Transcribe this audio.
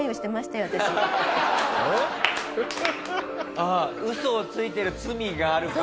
ああウソをついてる罪があるから。